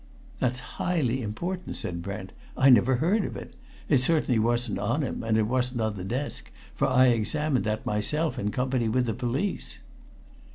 "That's highly important!" said Brent. "I never heard of it. It certainly wasn't on him, and it wasn't on the desk, for I examined that myself, in company with the police."